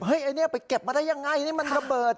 เฮ่ยไอ้นี่ไปเก็บมาได้อย่างไรมันระเบิด